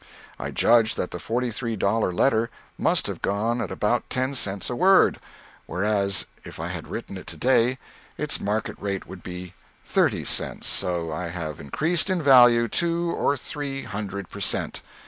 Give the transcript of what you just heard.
I judge that the forty three dollar letter must have gone at about ten cents a word, whereas if I had written it to day its market rate would be thirty cents so I have increased in value two or three hundred per cent.